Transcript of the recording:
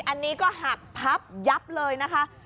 อันนี้ก็หักพับยับเลยนะคะ